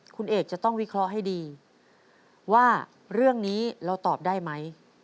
คุณเอกจะต้องวิเคราะห์ให้ดีว่าเรื่องนี้เราตอบได้ไหม